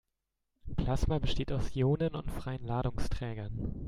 Plasma besteht aus Ionen und freien Ladungsträgern.